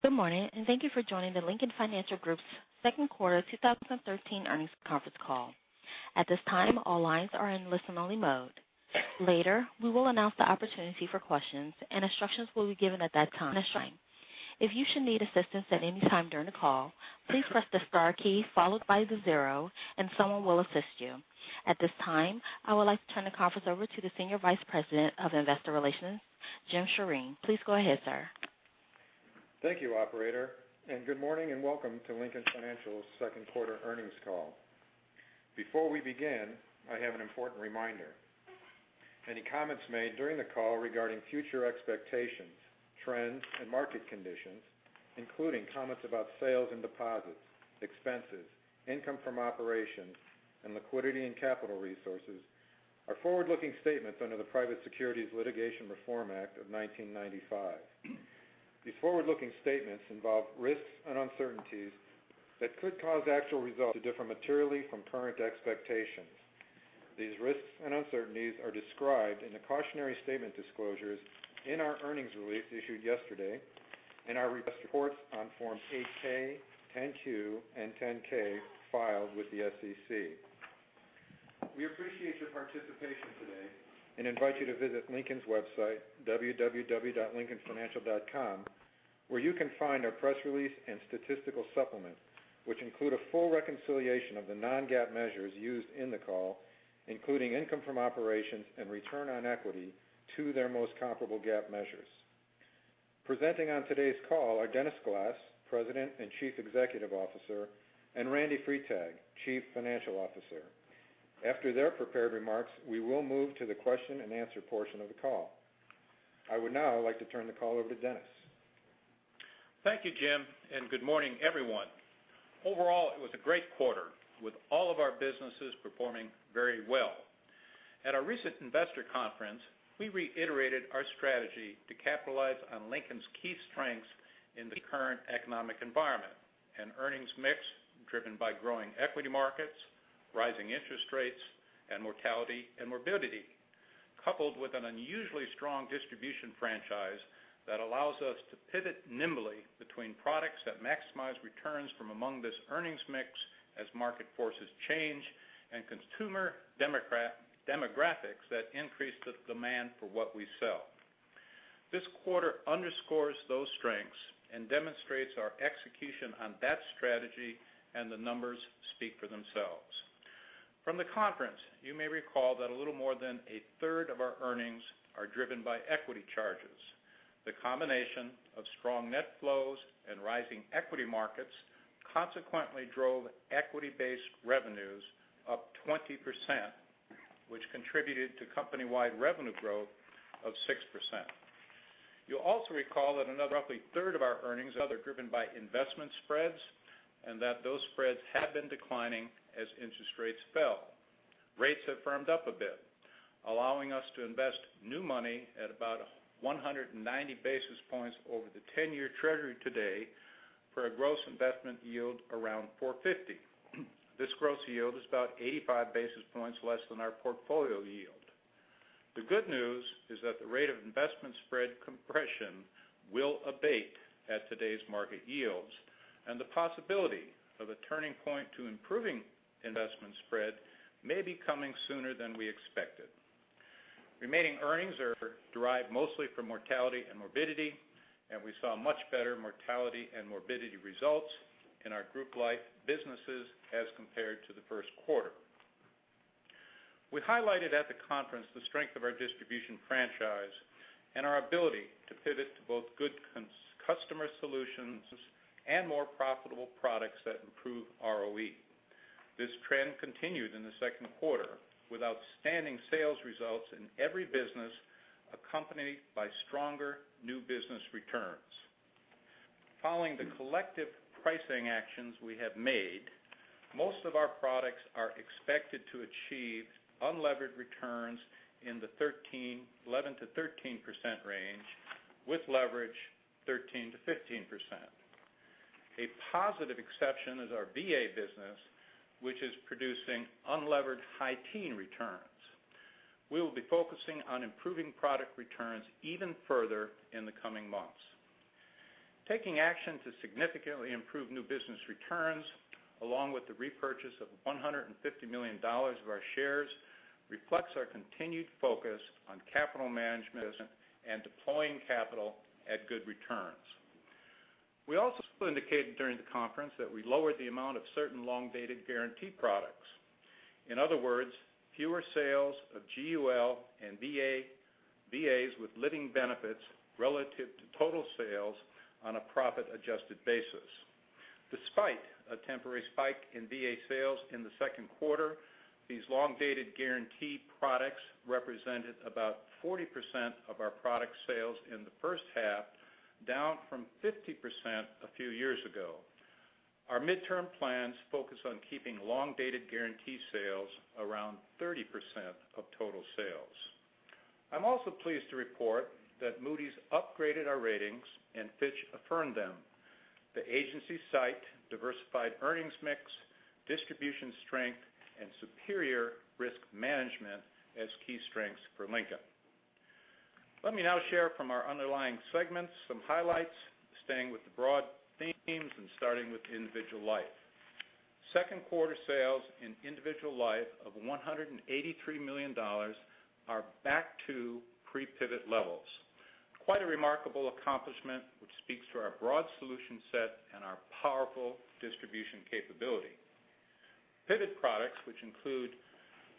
Good morning, and thank you for joining the Lincoln Financial Group's second quarter 2013 earnings conference call. At this time, all lines are in listen-only mode. Later, we will announce the opportunity for questions, and instructions will be given at that time. If you should need assistance at any time during the call, please press the star key followed by the 0 and someone will assist you. At this time, I would like to turn the conference over to the Senior Vice President of Investor Relations, Jim Shirine. Please go ahead, sir. Thank you, operator, and good morning, and welcome to Lincoln Financial's second quarter earnings call. Before we begin, I have an important reminder. Any comments made during the call regarding future expectations, trends, and market conditions, including comments about sales and deposits, expenses, income from operations, and liquidity and capital resources are forward-looking statements under the Private Securities Litigation Reform Act of 1995. These forward-looking statements involve risks and uncertainties that could cause actual results to differ materially from current expectations. These risks and uncertainties are described in the cautionary statement disclosures in our earnings release issued yesterday and our reports on Form 8-K, 10-Q, and 10-K filed with the SEC. We appreciate your participation today and invite you to visit Lincoln's website, www.lincolnfinancial.com, where you can find our press release and statistical supplement, which include a full reconciliation of the non-GAAP measures used in the call, including income from operations and return on equity to their most comparable GAAP measures. Presenting on today's call are Dennis Glass, President and Chief Executive Officer, and Randy Freitag, Chief Financial Officer. After their prepared remarks, we will move to the question and answer portion of the call. I would now like to turn the call over to Dennis. Thank you, Jim, and good morning, everyone. Overall, it was a great quarter, with all of our businesses performing very well. At our recent investor conference, we reiterated our strategy to capitalize on Lincoln's key strengths in the current economic environment. An earnings mix driven by growing equity markets, rising interest rates, and mortality and morbidity, coupled with an unusually strong distribution franchise that allows us to pivot nimbly between products that maximize returns from among this earnings mix as market forces change and consumer demographics that increase the demand for what we sell. This quarter underscores those strengths and demonstrates our execution on that strategy, and the numbers speak for themselves. From the conference, you may recall that a little more than a third of our earnings are driven by equity charges. The combination of strong net flows and rising equity markets consequently drove equity-based revenues up 20%, which contributed to company-wide revenue growth of 6%. You'll also recall that another roughly third of our earnings are driven by investment spreads. Those spreads have been declining as interest rates fell. Rates have firmed up a bit, allowing us to invest new money at about 190 basis points over the 10-year treasury today for a gross investment yield around 450. This gross yield is about 85 basis points less than our portfolio yield. The good news is that the rate of investment spread compression will abate at today's market yields. The possibility of a turning point to improving investment spread may be coming sooner than we expected. Remaining earnings are derived mostly from mortality and morbidity. We saw much better mortality and morbidity results in our group life businesses as compared to the first quarter. We highlighted at the conference the strength of our distribution franchise and our ability to Pivot to both good customer solutions and more profitable products that improve ROE. This trend continued in the second quarter with outstanding sales results in every business accompanied by stronger new business returns. Following the collective pricing actions we have made, most of our products are expected to achieve unlevered returns in the 11%-13% range. With leverage, 13%-15%. A positive exception is our VA business, which is producing unlevered high teen returns. We will be focusing on improving product returns even further in the coming months. Taking action to significantly improve new business returns, along with the repurchase of $150 million of our shares, reflects our continued focus on capital management and deploying capital at good returns. We also indicated during the conference that we lowered the amount of certain long-dated guarantee products. In other words, fewer sales of GUL and VAs with living benefits relative to total sales on a profit-adjusted basis. Despite a temporary spike in VA sales in the second quarter, these long-dated guarantee products represented about 40% of our product sales in the first half, down from 50% a few years ago. Our midterm plans focus on keeping long-dated guarantee sales around 30% of total sales. I'm also pleased to report that Moody's upgraded our ratings and Fitch affirmed them. The agencies cite diversified earnings mix, distribution strength, and superior risk management as key strengths for Lincoln. Let me now share from our underlying segments some highlights, staying with the broad themes and starting with individual life. Second quarter sales in individual life of $183 million are back to pre-Pivot levels. Quite a remarkable accomplishment, which speaks to our broad solution set and our powerful distribution capability. Pivot products, which include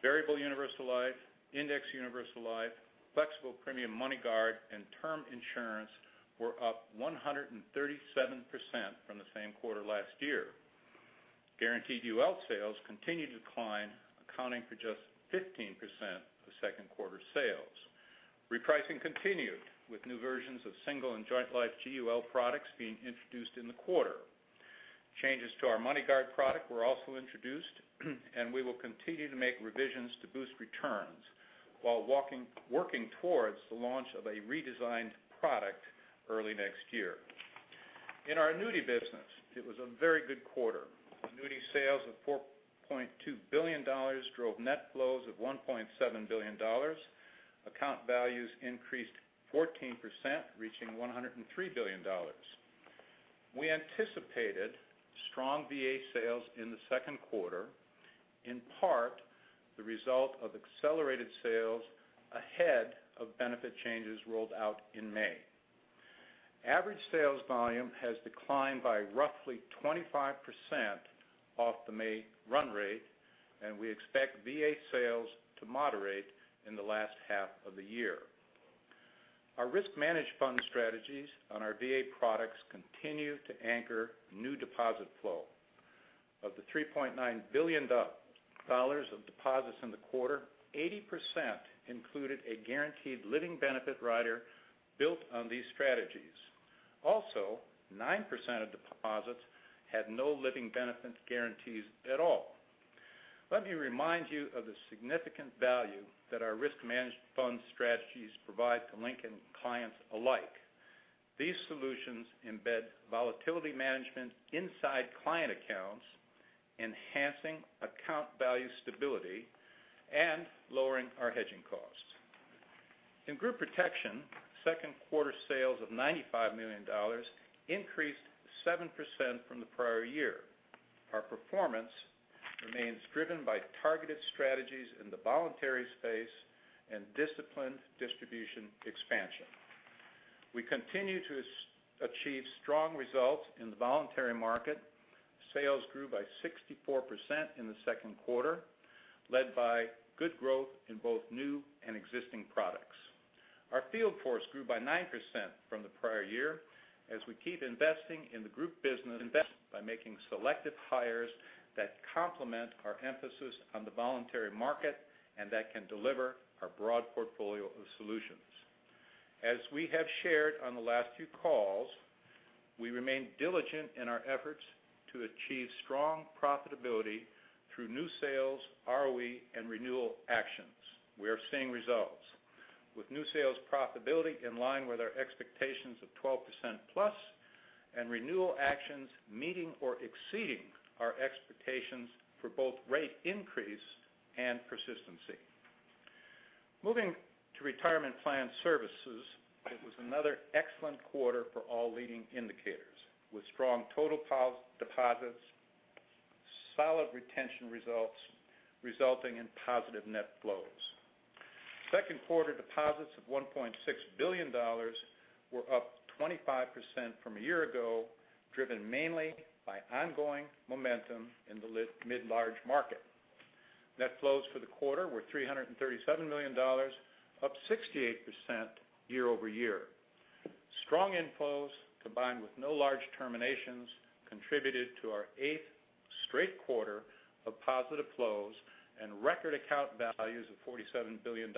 variable universal life, indexed universal life, flexible premium MoneyGuard, and term insurance, were up 137% from the same quarter last year. Guaranteed UL sales continued to decline, accounting for just 15% of second quarter sales. Repricing continued, with new versions of single and joint life GUL products being introduced in the quarter. Changes to our MoneyGuard product were also introduced. We will continue to make revisions to boost returns while working towards the launch of a redesigned product early next year. In our annuity business, it was a very good quarter. Annuity sales of $4.2 billion drove net flows of $1.7 billion. Account values increased 14%, reaching $103 billion. We anticipated strong VA sales in the second quarter, in part the result of accelerated sales ahead of benefit changes rolled out in May. Average sales volume has declined by roughly 25% off the May run rate. We expect VA sales to moderate in the last half of the year. Our risk managed fund strategies on our VA products continue to anchor new deposit flow. Of the $3.9 billion of deposits in the quarter, 80% included a guaranteed living benefit rider built on these strategies. 9% of deposits had no living benefit guarantees at all. Let me remind you of the significant value that our risk managed fund strategies provide to Lincoln clients alike. These solutions embed volatility management inside client accounts, enhancing account value stability, and lowering our hedging costs. In group protection, second quarter sales of $95 million increased 7% from the prior year. Our performance remains driven by targeted strategies in the voluntary space and disciplined distribution expansion. We continue to achieve strong results in the voluntary market. Sales grew by 64% in the second quarter, led by good growth in both new and existing products. Our field force grew by 9% from the prior year, as we keep investing in the group business by making selective hires that complement our emphasis on the voluntary market and that can deliver our broad portfolio of solutions. As we have shared on the last few calls, we remain diligent in our efforts to achieve strong profitability through new sales, ROE, and renewal actions. We are seeing results, with new sales profitability in line with our expectations of 12%+, and renewal actions meeting or exceeding our expectations for both rate increase and persistency. Moving to retirement plan services, it was another excellent quarter for all leading indicators, with strong total deposits, solid retention results, resulting in positive net flows. Second quarter deposits of $1.6 billion were up 25% from a year ago, driven mainly by ongoing momentum in the mid-large market. Net flows for the quarter were $337 million, up 68% year-over-year. Strong inflows, combined with no large terminations, contributed to our eighth straight quarter of positive flows and record account values of $47 billion,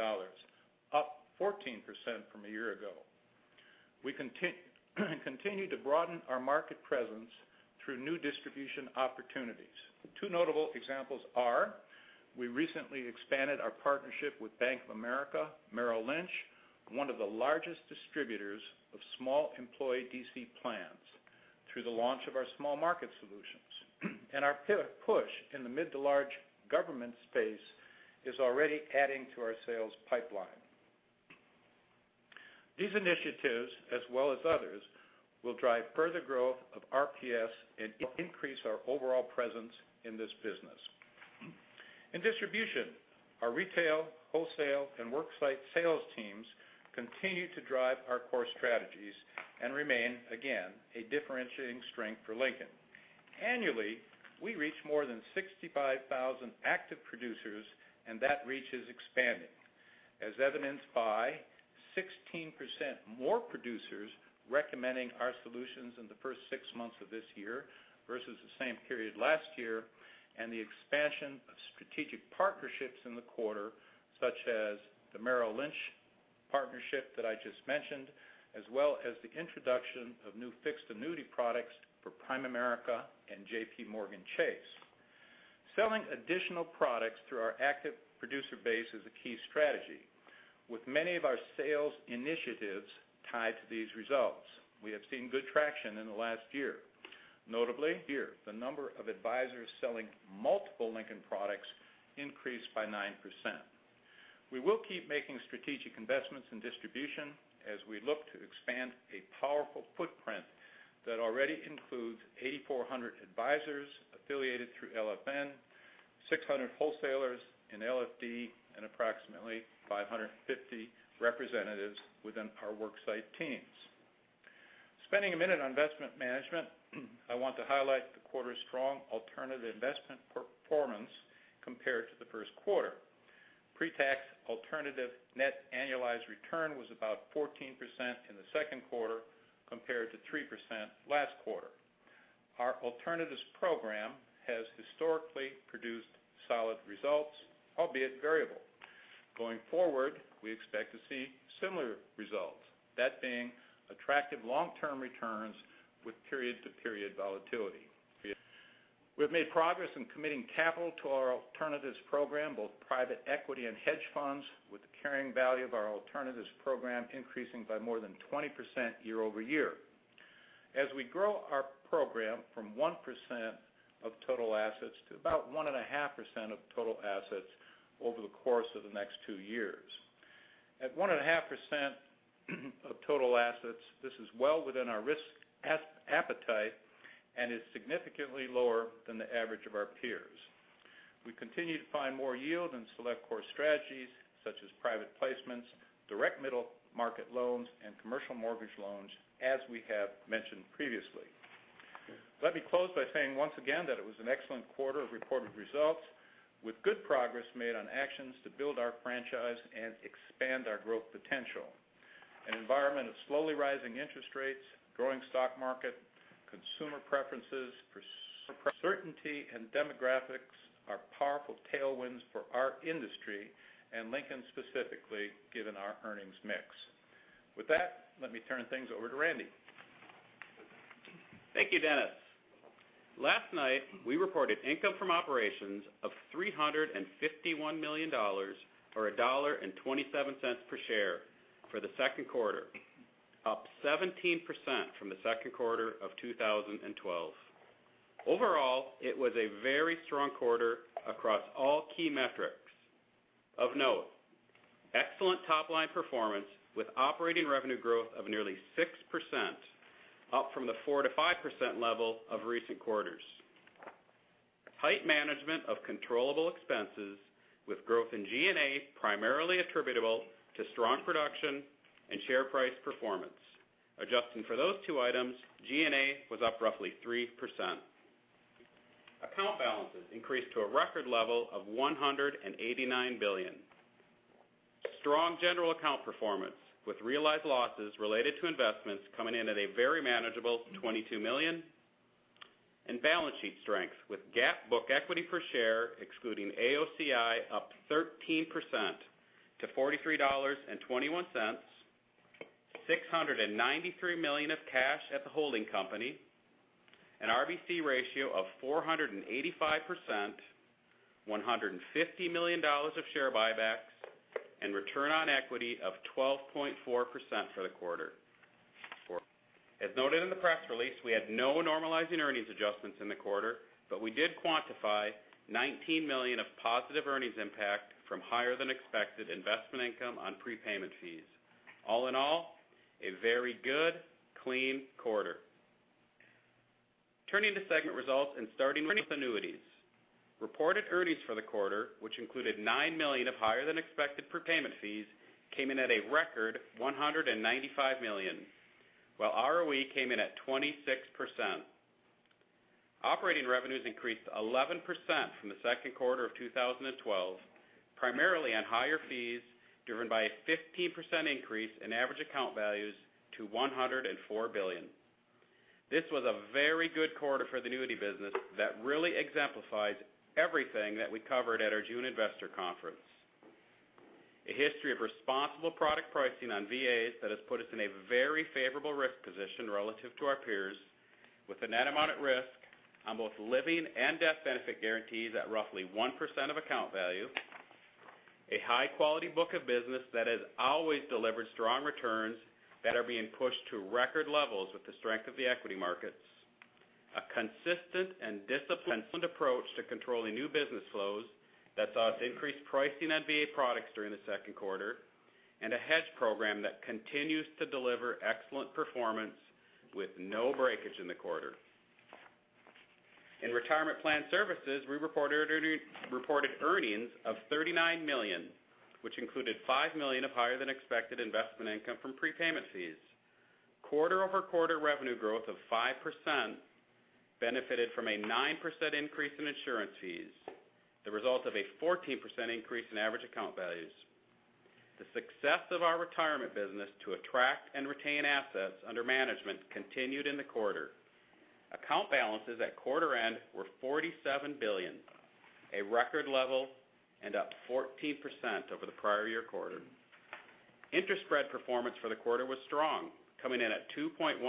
up 14% from a year ago. We continue to broaden our market presence through new distribution opportunities. Two notable examples are we recently expanded our partnership with Bank of America Merrill Lynch, one of the largest distributors of small employee DC plans, through the launch of our small market solutions. Our push in the mid to large government space is already adding to our sales pipeline. These initiatives, as well as others, will drive further growth of RPS and increase our overall presence in this business. In distribution, our retail, wholesale, and worksite sales teams continue to drive our core strategies and remain, again, a differentiating strength for Lincoln. Annually, we reach more than 65,000 active producers. That reach is expanding, as evidenced by 16% more producers recommending our solutions in the first six months of this year versus the same period last year, and the expansion of strategic partnerships in the quarter, such as the Merrill Lynch partnership that I just mentioned, as well as the introduction of new fixed annuity products for Primerica and JPMorgan Chase. Selling additional products through our active producer base is a key strategy, with many of our sales initiatives tied to these results. We have seen good traction in the last year. Notably here, the number of advisors selling multiple Lincoln products increased by 9%. We will keep making strategic investments in distribution as we look to expand a powerful footprint that already includes 8,400 advisors affiliated through LFN, 600 wholesalers in LFD, and approximately 550 representatives within our worksite teams. Spending a minute on investment management, I want to highlight the quarter's strong alternative investment performance compared to the first quarter. Pre-tax alternative net annualized return was about 14% in the second quarter compared to 3% last quarter. Our alternatives program has historically produced solid results, albeit variable. Going forward, we expect to see similar results, that being attractive long-term returns with period-to-period volatility. We have made progress in committing capital to our alternatives program, both private equity and hedge funds, with the carrying value of our alternatives program increasing by more than 20% year-over-year. As we grow our program from 1% of total assets to about 1.5% of total assets over the course of the next two years. At 1.5% of total assets, this is well within our risk appetite and is significantly lower than the average of our peers. We continue to find more yield in select core strategies such as private placements, direct middle market loans, and commercial mortgage loans, as we have mentioned previously. Let me close by saying once again that it was an excellent quarter of reported results, with good progress made on actions to build our franchise and expand our growth potential. An environment of slowly rising interest rates, growing stock market, consumer preferences for certainty, and demographics are powerful tailwinds for our industry and Lincoln specifically, given our earnings mix. With that, let me turn things over to Randy. Thank you, Dennis. Last night, we reported income from operations of $351 million or $1.27 per share for the second quarter, up 17% from the second quarter of 2012. Overall, it was a very strong quarter across all key metrics. Of note, excellent top-line performance with operating revenue growth of nearly 6%, up from the 4%-5% level of recent quarters. Tight management of controllable expenses with growth in G&A primarily attributable to strong production and share price performance. Adjusting for those two items, G&A was up roughly 3%. Account balances increased to a record level of $189 billion. Strong general account performance with realized losses related to investments coming in at a very manageable $22 million. Balance sheet strength with GAAP book equity per share, excluding AOCI, up 13% to $43.21, $693 million of cash at the holding company, an RBC ratio of 485%, $150 million of share buybacks, and return on equity of 12.4% for the quarter. As noted in the press release, we had no normalizing earnings adjustments in the quarter, but we did quantify $19 million of positive earnings impact from higher than expected investment income on prepayment fees. All in all, a very good, clean quarter. Turning to segment results and starting with annuities. Reported earnings for the quarter, which included $9 million of higher than expected prepayment fees, came in at a record $195 million, while ROE came in at 26%. Operating revenues increased 11% from the second quarter of 2012, primarily on higher fees driven by a 15% increase in average account values to $104 billion. This was a very good quarter for the annuity business that really exemplifies everything that we covered at our June investor conference. A history of responsible product pricing on VAs that has put us in a very favorable risk position relative to our peers with a net amount at risk on both living and death benefit guarantees at roughly 1% of account value. A high-quality book of business that has always delivered strong returns that are being pushed to record levels with the strength of the equity markets. A consistent and disciplined approach to controlling new business flows that saw us increase pricing on VA products during the second quarter, and a hedge program that continues to deliver excellent performance with no breakage in the quarter. In retirement plan services, we reported earnings of $39 million, which included $5 million of higher than expected investment income from prepayment fees. Quarter-over-quarter revenue growth of 5% benefited from a 9% increase in insurance fees, the result of a 14% increase in average account values. The success of our retirement business to attract and retain assets under management continued in the quarter. Account balances at quarter end were $47 billion, a record level, and up 14% over the prior year quarter. Interest spread performance for the quarter was strong, coming in at 2.14%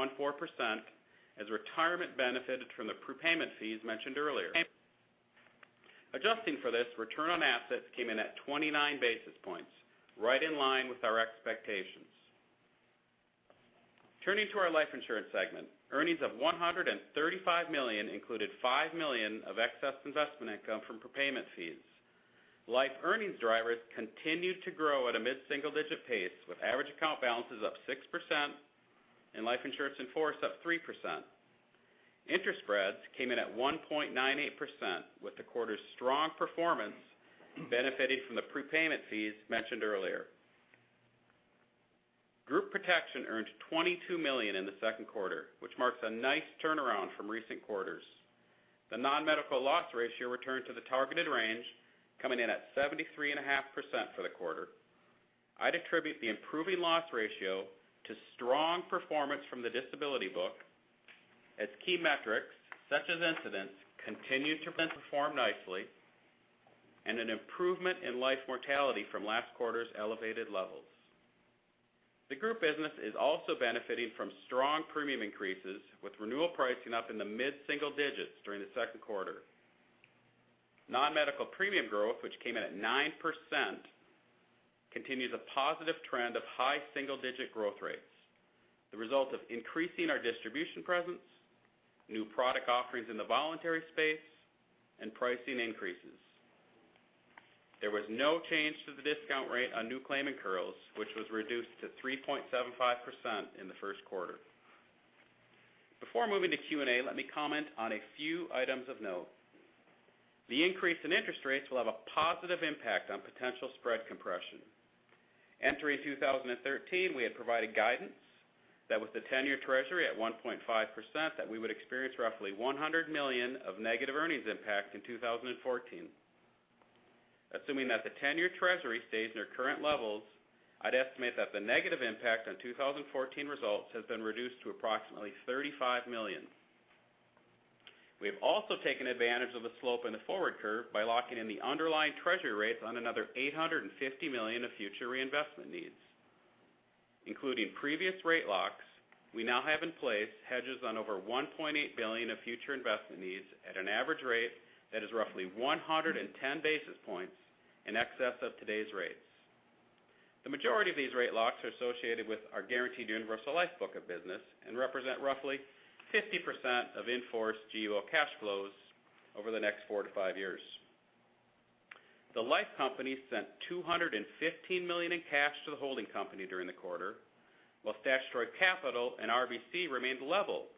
as retirement benefited from the prepayment fees mentioned earlier. Adjusting for this return on assets came in at 29 basis points, right in line with our expectations. Turning to our life insurance segment, earnings of $135 million included $5 million of excess investment income from prepayment fees. Life earnings drivers continued to grow at a mid-single-digit pace, with average account balances up 6% and life insurance in force up 3%. Interest spreads came in at 1.98%, with the quarter's strong performance benefiting from the prepayment fees mentioned earlier. Group Protection earned $22 million in the second quarter, which marks a nice turnaround from recent quarters. The non-medical loss ratio returned to the targeted range, coming in at 73.5% for the quarter. I'd attribute the improving loss ratio to strong performance from the disability book as key metrics such as incidents continued to perform nicely, and an improvement in life mortality from last quarter's elevated levels. The group business is also benefiting from strong premium increases, with renewal pricing up in the mid-single digits during the second quarter. Non-medical premium growth, which came in at 9%, continues a positive trend of high single-digit growth rates, the result of increasing our distribution presence, new product offerings in the voluntary space, and pricing increases. There was no change to the discount rate on new claim incurrals, which was reduced to 3.75% in the first quarter. Before moving to Q&A, let me comment on a few items of note. The increase in interest rates will have a positive impact on potential spread compression. Entering 2013, we had provided guidance that with the 10-year treasury at 1.5%, that we would experience roughly $100 million of negative earnings impact in 2014. Assuming that the 10-year treasury stays near current levels, I'd estimate that the negative impact on 2014 results has been reduced to approximately $35 million. We have also taken advantage of the slope in the forward curve by locking in the underlying treasury rates on another $850 million of future reinvestment needs. Including previous rate locks, we now have in place hedges on over $1.8 billion of future investment needs at an average rate that is roughly 110 basis points in excess of today's rates. The majority of these rate locks are associated with our guaranteed universal life book of business and represent roughly 50% of in-force GUL cash flows over the next four to five years. The life company sent $215 million in cash to the holding company during the quarter, while statutory capital and RBC remained level for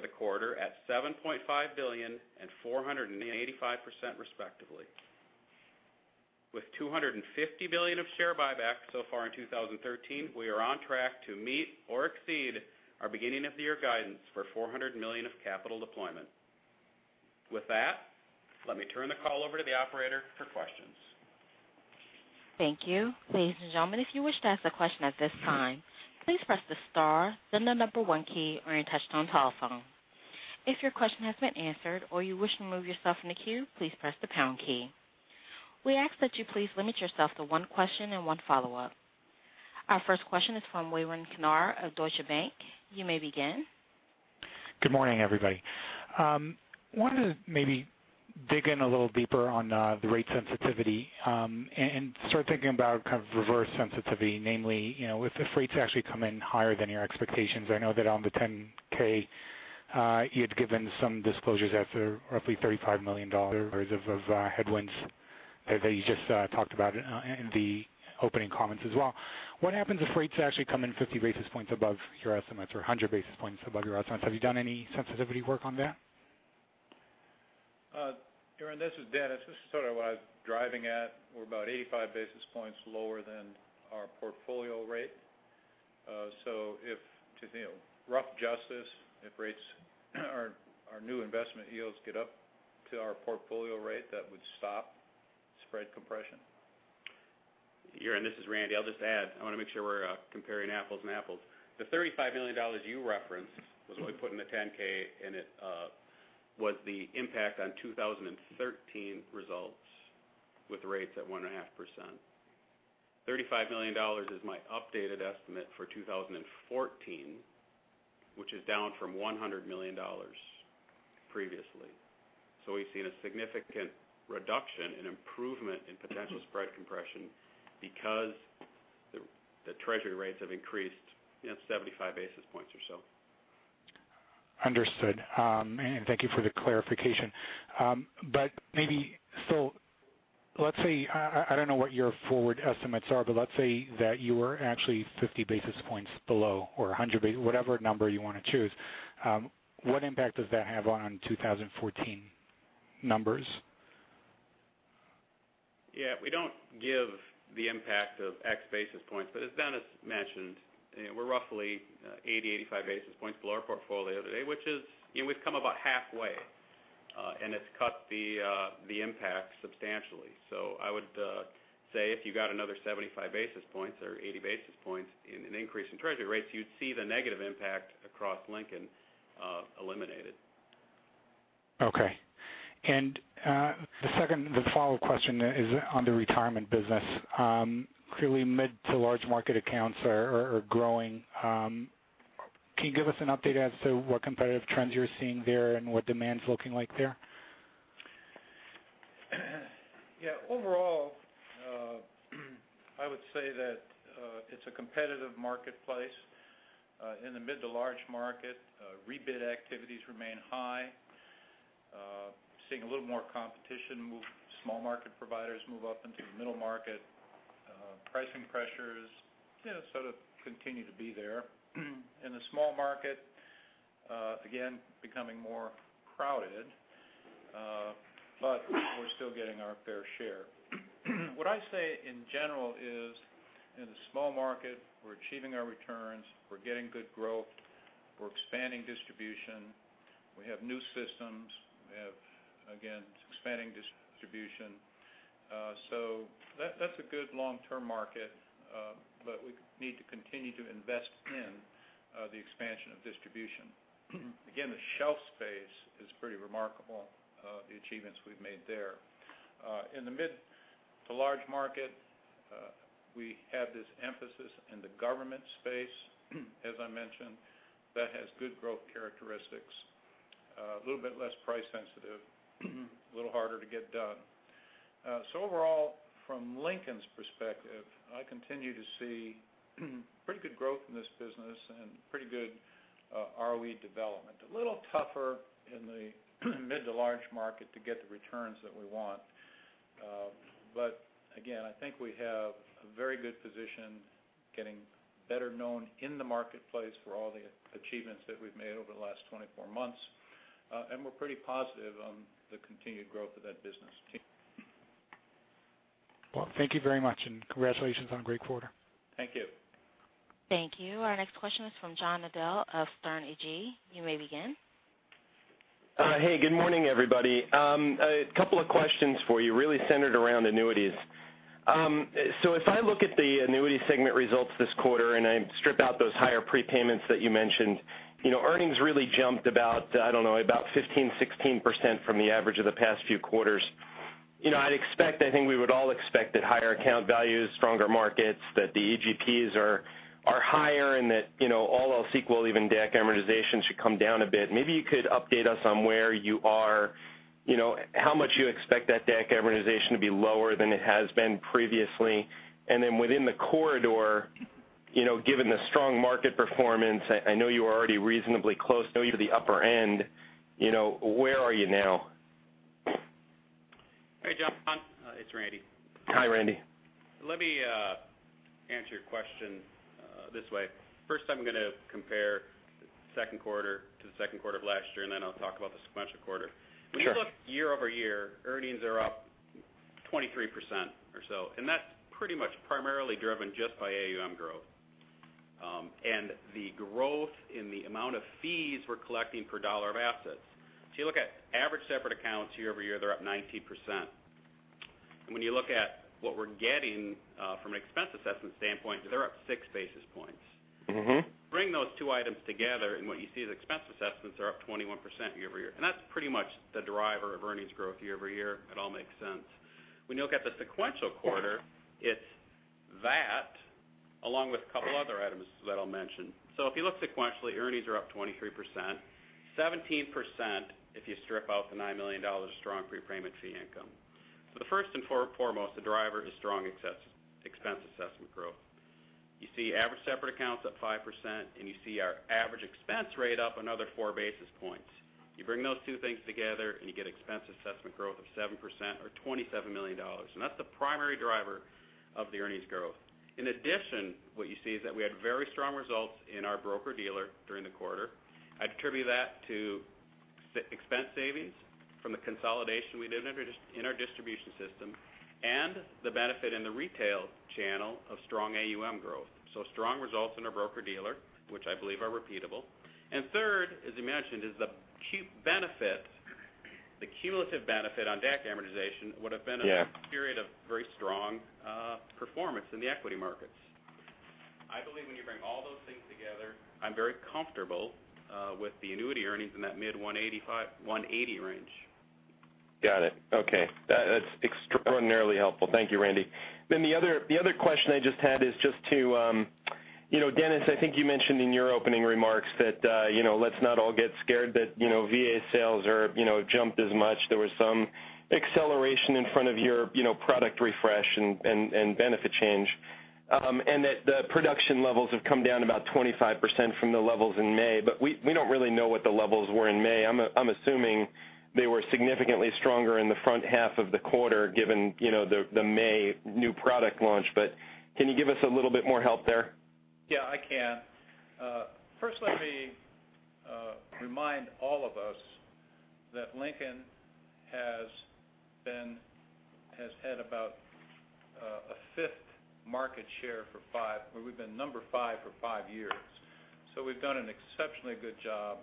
the quarter at $7.5 billion and 485%, respectively. With $250 million of share buybacks so far in 2013, we are on track to meet or exceed our beginning of the year guidance for $400 million of capital deployment. Let me turn the call over to the operator for questions. Thank you. Ladies and gentlemen, if you wish to ask a question at this time, please press the star, then the number one key on your touch-tone telephone. If your question has been answered or you wish to remove yourself from the queue, please press the pound key. We ask that you please limit yourself to one question and one follow-up. Our first question is from Yaron Kinar of Deutsche Bank. You may begin. Good morning, everybody. I wanted to maybe dig in a little deeper on the rate sensitivity and start thinking about reverse sensitivity, namely, if the rates actually come in higher than your expectations. I know that on the 10-K you had given some disclosures as to roughly $35 million of headwinds that you just talked about in the opening comments as well. What happens if rates actually come in 50 basis points above your estimates or 100 basis points above your estimates? Have you done any sensitivity work on that? Yaron, this is Dennis. This is sort of what I was driving at. We're about 85 basis points lower than our portfolio rate. To rough justice, if our new investment yields get up to our portfolio rate, that would stop spread compression. Yaron, this is Randy. I'll just add, I want to make sure we're comparing apples and apples. The $35 million you referenced was what we put in the 10-K, and it was the impact on 2013 results with rates at 1.5%. $35 million is my updated estimate for 2014, which is down from $100 million previously. We've seen a significant reduction and improvement in potential spread compression because the treasury rates have increased 75 basis points or so. Understood. Thank you for the clarification. I don't know what your forward estimates are, but let's say that you were actually 50 basis points below or 100 basis points, whatever number you want to choose. What impact does that have on 2014 numbers? Yeah. We don't give the impact of X basis points. As Dennis mentioned, we're roughly 80, 85 basis points below our portfolio today, we've come about halfway, and it's cut the impact substantially. I would say if you got another 75 basis points or 80 basis points in an increase in treasury rates, you'd see the negative impact across Lincoln eliminated. Okay. The follow-up question is on the retirement business. Clearly, mid to large market accounts are growing. Can you give us an update as to what competitive trends you're seeing there and what demand's looking like there? Yeah. Overall, I would say that it's a competitive marketplace. In the mid to large market, rebid activities remain high. Seeing a little more competition with small market providers move up into the middle market. Pricing pressures sort of continue to be there. In the small market, again, becoming more crowded, but we're still getting our fair share. What I say, in general, is in the small market, we're achieving our returns. We're getting good growth. We're expanding distribution. We have new systems. We have, again, expanding distribution. That's a good long-term market. We need to continue to invest in the expansion of distribution. Again, the shelf space is pretty remarkable, the achievements we've made there. In the mid to large market, we have this emphasis in the government space, as I mentioned. That has good growth characteristics. A little bit less price sensitive, a little harder to get done. Overall, from Lincoln's perspective, I continue to see pretty good growth in this business and pretty good ROE development. A little tougher in the mid to large market to get the returns that we want. Again, I think we have a very good position getting better known in the marketplace for all the achievements that we've made over the last 24 months. We're pretty positive on the continued growth of that business too. Well, thank you very much, and congratulations on a great quarter. Thank you. Thank you. Our next question is from John Nadel of Sterne Agee. You may begin. Hey, good morning, everybody. A couple of questions for you really centered around annuities. If I look at the annuity segment results this quarter, and I strip out those higher prepayments that you mentioned, earnings really jumped about, I don't know, about 15%, 16% from the average of the past few quarters. I'd expect, I think we would all expect that higher account values, stronger markets, that the EGP are higher and that all else equal, even DAC amortization should come down a bit. Maybe you could update us on where you are. How much you expect that DAC amortization to be lower than it has been previously? And then within the corridor, given the strong market performance, I know you are already reasonably close, I know you're the upper end, where are you now? Hey, John. It's Randy. Hi, Randy. Let me answer your question this way. First, I'm going to compare the second quarter to the second quarter of last year, and then I'll talk about the sequential quarter. Okay. When you look year-over-year, earnings are up 23% or so, and that's pretty much primarily driven just by AUM growth. The growth in the amount of fees we're collecting per dollar of assets. You look at average separate accounts year-over-year, they're up 19%. When you look at what we're getting from an expense assessment standpoint, they're up six basis points. Bring those two items together, and what you see is expense assessments are up 21% year-over-year. That's pretty much the driver of earnings growth year-over-year. It all makes sense. When you look at the sequential quarter, it's that along with a couple other items that I'll mention. If you look sequentially, earnings are up 23%, 17% if you strip out the $9 million of strong prepayment fee income. The first and foremost, the driver is strong expense assessment growth. You see average separate accounts up 5%, and you see our average expense rate up another four basis points. You bring those two things together, and you get expense assessment growth of 7% or $27 million. That's the primary driver of the earnings growth. In addition, what you see is that we had very strong results in our broker-dealer during the quarter. I'd attribute that to expense savings from the consolidation we did in our distribution system and the benefit in the retail channel of strong AUM growth. Strong results in our broker-dealer, which I believe are repeatable. Third, as you mentioned, is the cumulative benefit on DAC amortization. Yeah It was a period of very strong performance in the equity markets. I believe when you bring all those things together, I'm very comfortable with the annuity earnings in that mid $185, $180 range. Got it. Okay. That's extraordinarily helpful. Thank you, Randy. The other question I just had is just to, Dennis, I think you mentioned in your opening remarks that let's not all get scared that VA sales jumped as much. There was some acceleration in front of your product refresh and benefit change. That the production levels have come down about 25% from the levels in May, but we don't really know what the levels were in May. I'm assuming they were significantly stronger in the front half of the quarter given the May new product launch. Can you give us a little bit more help there? Yeah, I can. First let me remind all of us that Lincoln has had about a fifth market share where we've been number 5 for five years. We've done an exceptionally good job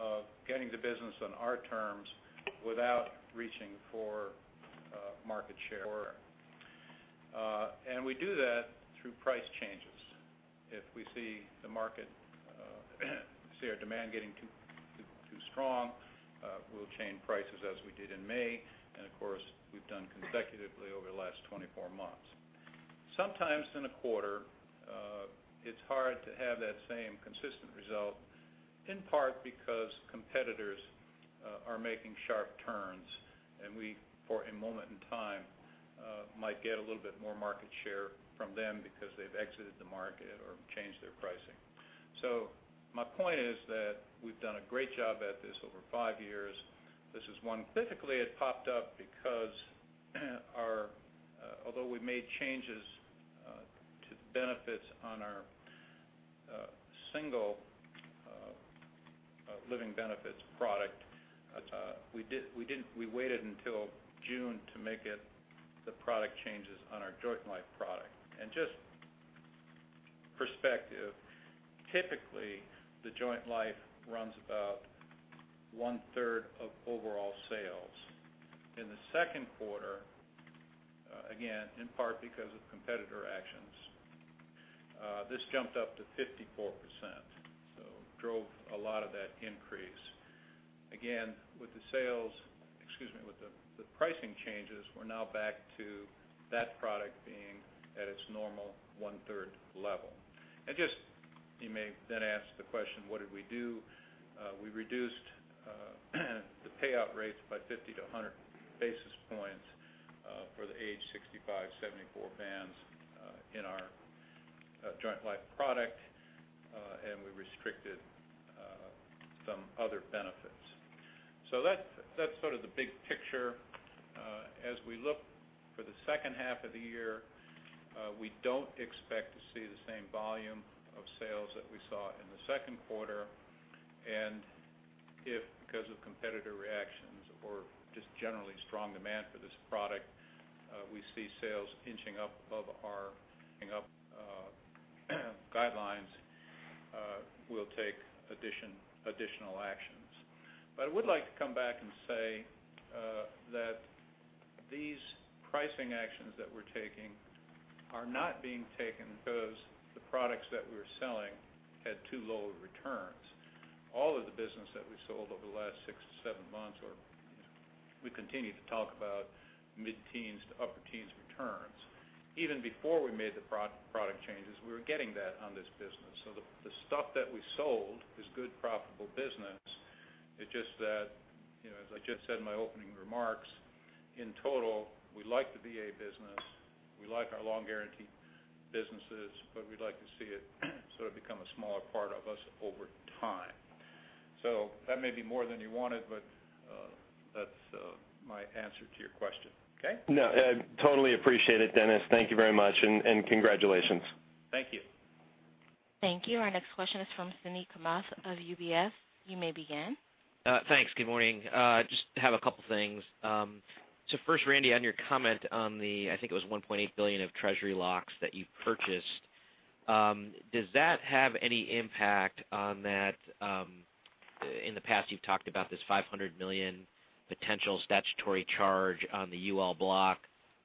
of getting the business on our terms without reaching for market share. We do that through price changes. If we see our demand getting too strong. We'll change prices as we did in May, and of course, we've done consecutively over the last 24 months. Sometimes in a quarter, it's hard to have that same consistent result, in part because competitors are making sharp turns, and we, for a moment in time, might get a little bit more market share from them because they've exited the market or changed their pricing. My point is that we've done a great job at this over five years. This is one, physically, it popped up because although we made changes to the benefits on our single living benefits product, we waited until June to make the product changes on our joint life product. Typically, the joint life runs about one-third of overall sales. In the second quarter, again, in part because of competitor actions, this jumped up to 54%, so drove a lot of that increase. With the pricing changes, we're now back to that product being at its normal one-third level. You may then ask the question, what did we do? We reduced the payout rates by 50 to 100 basis points for the age 65, 74 bands in our joint life product, and we restricted some other benefits. That's sort of the big picture. As we look for the second half of the year, we don't expect to see the same volume of sales that we saw in the second quarter. If, because of competitor reactions or just generally strong demand for this product we see sales inching up above our guidelines, we'll take additional actions. I would like to come back and say, that these pricing actions that we're taking are not being taken because the products that we're selling had too low of returns. All of the business that we sold over the last six to seven months, or we continue to talk about mid-teens to upper teens returns. Even before we made the product changes, we were getting that on this business. The stuff that we sold is good, profitable business. It's just that, as I just said in my opening remarks, in total, we like the VA business, we like our long guarantee businesses, but we'd like to see it sort of become a smaller part of us over time. That may be more than you wanted, but that's my answer to your question. Okay? I totally appreciate it, Dennis. Thank you very much, and congratulations. Thank you. Thank you. Our next question is from Suneet Kamath of UBS. You may begin. Thanks. Good morning. Just have a couple things. First, Randy, on your comment on the, I think it was $1.8 billion of treasury locks that you purchased. Does that have any impact on that, in the past you've talked about this $500 million potential statutory charge on the UL block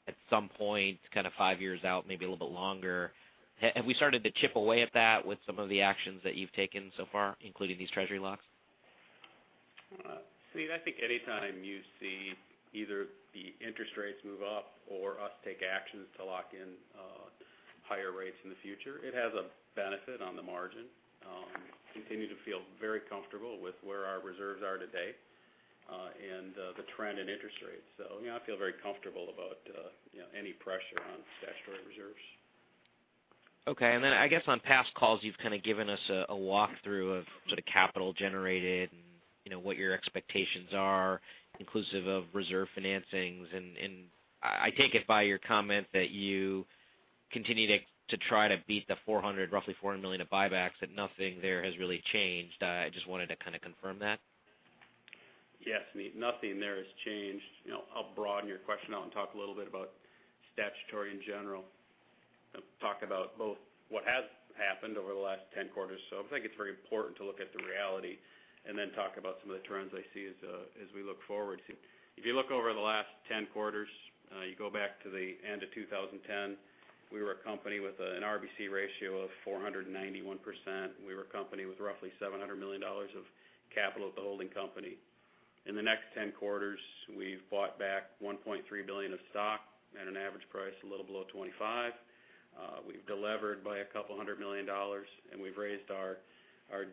at some point kind of five years out, maybe a little bit longer. Have we started to chip away at that with some of the actions that you've taken so far, including these treasury locks? Suneet, I think anytime you see either the interest rates move up or us take actions to lock in higher rates in the future, it has a benefit on the margin. Continue to feel very comfortable with where our reserves are today, and the trend in interest rates. Yeah, I feel very comfortable about any pressure on statutory reserves. Okay. I guess on past calls, you've kind of given us a walk through of sort of capital generated and what your expectations are inclusive of reserve financings. I take it by your comment that you continue to try to beat the roughly $400 million of buybacks, that nothing there has really changed. I just wanted to kind of confirm that. Yes, Suneet, nothing there has changed. I'll broaden your question out and talk a little bit about statutory in general. Talk about both what has happened over the last 10 quarters or so. I think it's very important to look at the reality, talk about some of the trends I see as we look forward. If you look over the last 10 quarters, you go back to the end of 2010, we were a company with an RBC ratio of 491%, and we were a company with roughly $700 million of capital at the holding company. In the next 10 quarters, we've bought back $1.3 billion of stock at an average price a little below $25. We've delevered by about $200 million, and we've raised our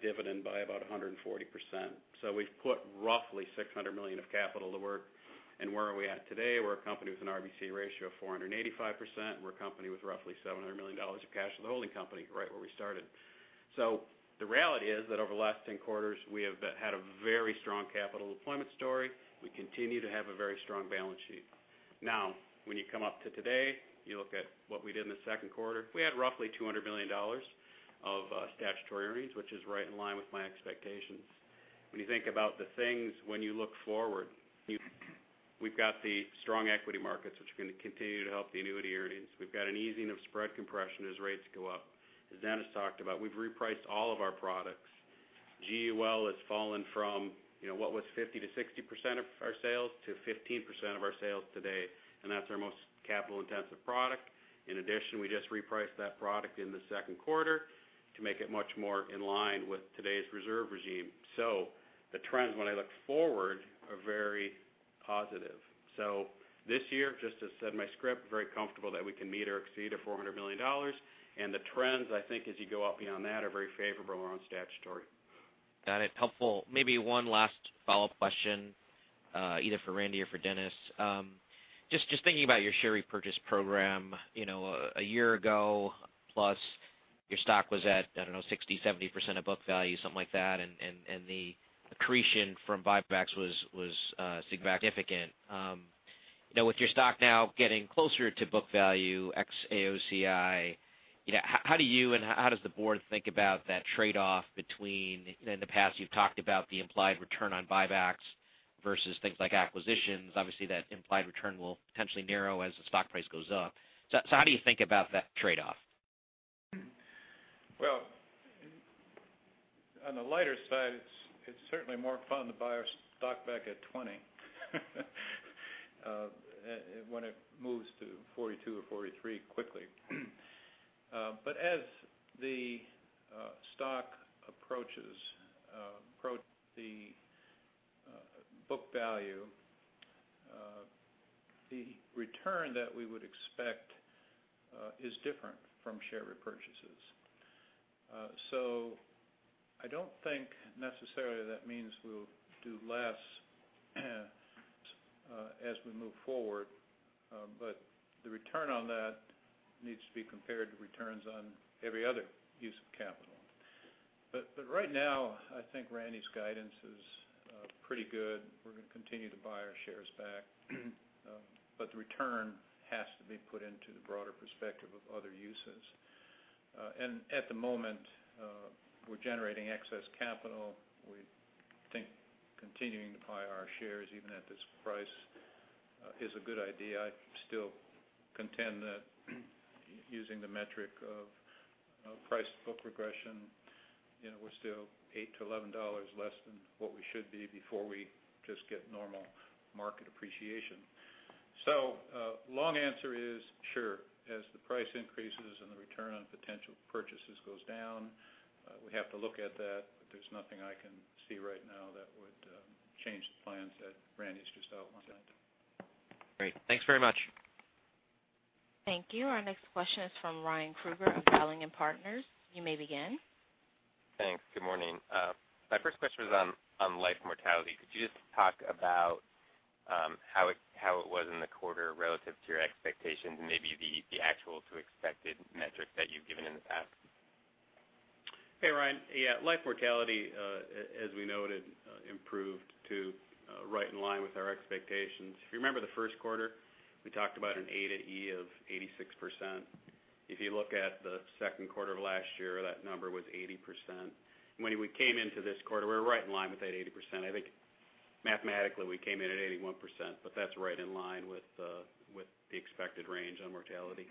dividend by about 140%. We've put roughly $600 million of capital to work. Where are we at today? We're a company with an RBC ratio of 485%, and we're a company with roughly $700 million of cash in the holding company, right where we started. The reality is that over the last 10 quarters, we have had a very strong capital deployment story. We continue to have a very strong balance sheet. Now, when you come up to today, you look at what we did in the second quarter, we had roughly $200 million of statutory earnings, which is right in line with my expectations. When you think about the things, when you look forward, we've got the strong equity markets, which are going to continue to help the annuity earnings. We've got an easing of spread compression as rates go up. As Dennis talked about, we've repriced all of our products. GUL has fallen from what was 50%-60% of our sales to 15% of our sales today, that's our most capital intensive product. In addition, we just repriced that product in the second quarter to make it much more in line with today's reserve regime. The trends when I look forward are very Positive. This year, just as said in my script, very comfortable that we can meet or exceed a $400 million. The trends, I think, as you go up beyond that are very favorable around statutory. Got it. Helpful. Maybe one last follow-up question, either for Randy or for Dennis. Just thinking about your share repurchase program. A year ago, plus your stock was at, I don't know, 60%, 70% of book value, something like that, and the accretion from buybacks was significant. Now with your stock now getting closer to book value ex-AOCI, how do you and how does the board think about that trade-off between, in the past you've talked about the implied return on buybacks versus things like acquisitions. Obviously, that implied return will potentially narrow as the stock price goes up. How do you think about that trade-off? Well, on the lighter side, it's certainly more fun to buy our stock back at 20 when it moves to 42 or 43 quickly. As the stock approaches the book value, the return that we would expect is different from share repurchases. I don't think necessarily that means we'll do less as we move forward. The return on that needs to be compared to returns on every other use of capital. Right now, I think Randy's guidance is pretty good. We're going to continue to buy our shares back, but the return has to be put into the broader perspective of other uses. At the moment, we're generating excess capital. We think continuing to buy our shares, even at this price, is a good idea. I still contend that using the metric of price book regression, we're still $8-$11 less than what we should be before we just get normal market appreciation. Long answer is, sure, as the price increases and the return on potential purchases goes down, we have to look at that, but there's nothing I can see right now that would change the plans that Randy's just outlined. Great. Thanks very much. Thank you. Our next question is from Ryan Krueger of Dowling & Partners. You may begin. Thanks. Good morning. My first question was on life mortality. Could you just talk about how it was in the quarter relative to your expectations and maybe the actual to expected metrics that you've given in the past? Hey, Ryan. Yeah, life mortality, as we noted, improved to right in line with our expectations. If you remember the first quarter, we talked about an A to E of 86%. If you look at the second quarter of last year, that number was 80%. When we came into this quarter, we were right in line with that 80%. I think mathematically we came in at 81%, but that's right in line with the expected range on mortality.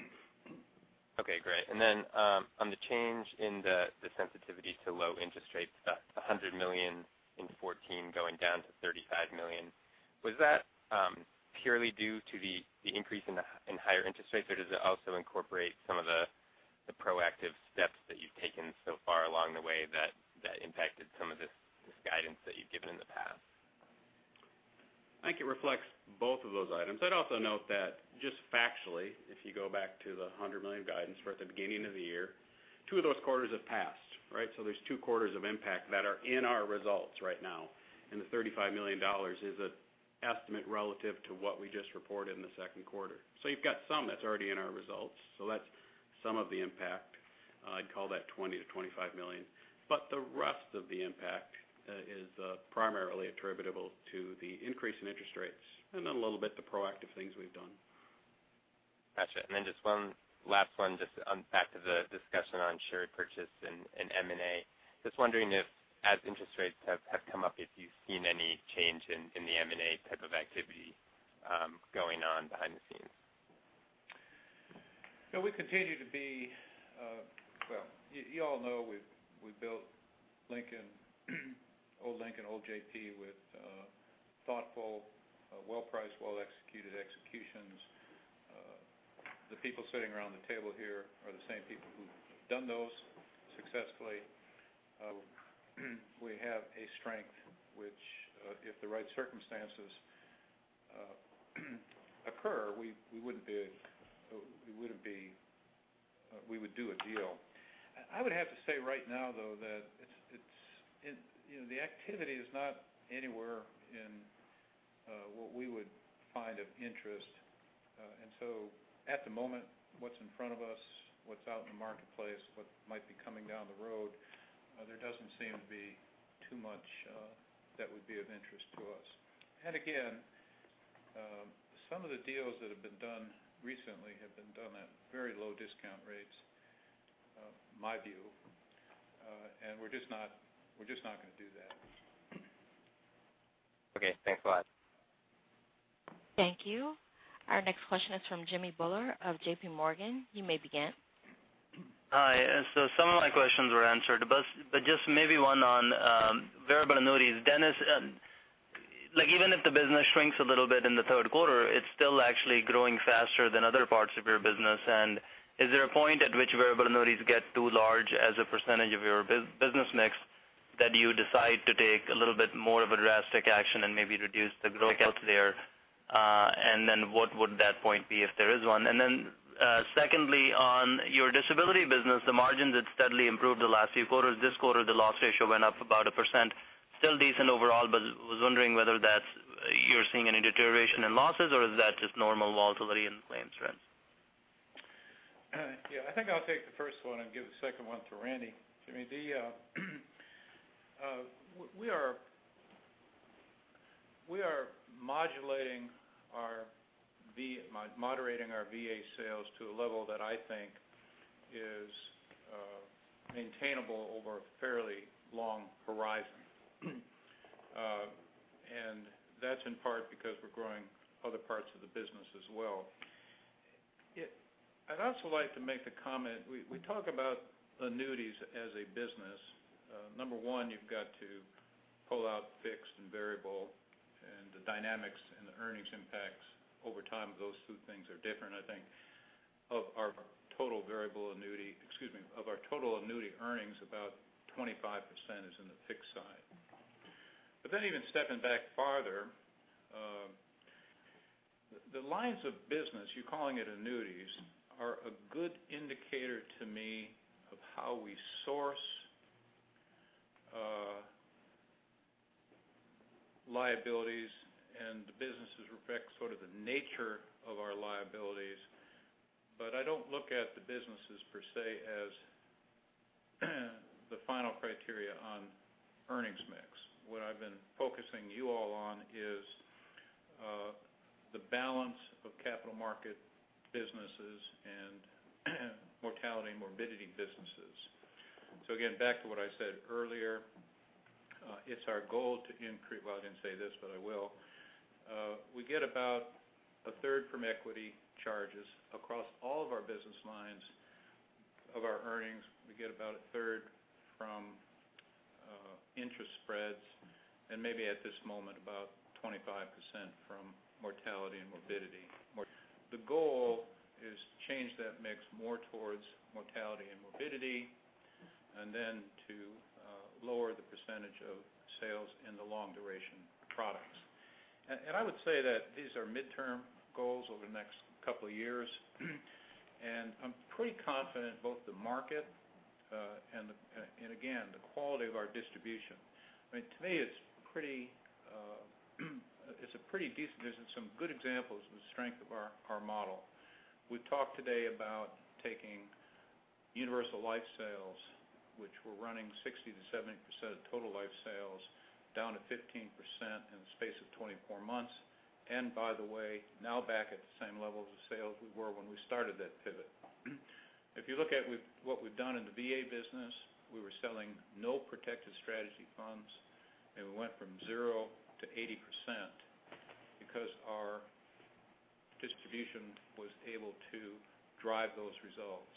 Okay, great. On the change in the sensitivity to low interest rates, that $100 million in 2014 going down to $35 million, was that purely due to the increase in higher interest rates, or does it also incorporate some of the proactive steps that you've taken so far along the way that impacted some of this guidance that you've given in the past? I think it reflects both of those items. I'd also note that just factually, if you go back to the $100 million guidance for at the beginning of the year, two of those quarters have passed, right? There's two quarters of impact that are in our results right now, and the $35 million is an estimate relative to what we just reported in the second quarter. You've got some that's already in our results. That's some of the impact. I'd call that $20 million-$25 million. The rest of the impact is primarily attributable to the increase in interest rates a little bit the proactive things we've done. Got you. Just one last one, just back to the discussion on share repurchase and M&A. Just wondering if, as interest rates have come up, if you've seen any change in the M&A type of activity going on behind the scenes. Well, you all know we've built Lincoln, old Lincoln, old JP with thoughtful well-priced, well-executed executions. The people sitting around the table here are the same people who've done those successfully. We have a strength which, if the right circumstances occur, we would do a deal. I would have to say right now, though, that the activity is not anywhere in what we would find of interest. At the moment, what's in front of us, what's out in the marketplace, what might be coming down the road, there doesn't seem to be too much that would be of interest to us. Again, some of the deals that have been done recently have been done at very low discount rates, my view, and we're just not going to do that. Okay. Thanks a lot. Thank you. Our next question is from Jimmy Bhoola of JPMorgan. You may begin. Hi. Some of my questions were answered, but just maybe one on variable annuities. Dennis, even if the business shrinks a little bit in the third quarter, it's still actually growing faster than other parts of your business. Is there a point at which variable annuities get too large as a percentage of your business mix? That you decide to take a little bit more of a drastic action and maybe reduce the growth there. What would that point be, if there is one? Secondly, on your disability business, the margins had steadily improved the last few quarters. This quarter, the loss ratio went up about 1%. Still decent overall, but was wondering whether you're seeing any deterioration in losses or is that just normal volatility in claims trends? Yeah. I think I'll take the first one and give the second one to Randy. Jimmy, we are moderating our VA sales to a level that I think is maintainable over a fairly long horizon. That's in part because we're growing other parts of the business as well. I'd also like to make the comment, we talk about annuities as a business. Number 1, you've got to pull out fixed and variable and the dynamics and the earnings impacts over time of those two things are different, I think, of our total variable annuity. Excuse me, of our total annuity earnings, about 25% is in the fixed side. Even stepping back farther, the lines of business, you calling it annuities, are a good indicator to me of how we source liabilities and the businesses reflect sort of the nature of our liabilities. I don't look at the businesses per se as the final criteria on earnings mix. What I've been focusing you all on is the balance of capital market businesses and mortality and morbidity businesses. Again, back to what I said earlier, it's our goal to increase. Well, I didn't say this, but I will. We get about a third from equity charges across all of our business lines of our earnings. We get about a third from interest spreads and maybe at this moment, about 25% from mortality and morbidity. The goal is to change that mix more towards mortality and morbidity, to lower the percentage of sales in the long duration products. I would say that these are midterm goals over the next couple of years. I'm pretty confident both the market and again, the quality of our distribution. To me, it's a pretty decent, there's some good examples of the strength of our model. We talked today about taking universal life sales, which were running 60%-70% of total life sales, down to 15% in the space of 24 months. By the way, now back at the same levels of sales we were when we started that Pivot. If you look at what we've done in the VA business, we were selling no protected strategy funds, and we went from 0 to 80% because our distribution was able to drive those results.